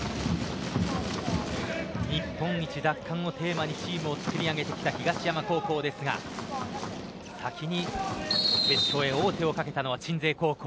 日本一奪還をテーマにチームを築き上げてきた東山高校ですが先に決勝へ王手をかけたのは鎮西高校。